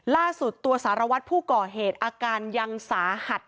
ล่าสุดตัวสารวัตรผู้ก่อเหตุอาการยังสาหัส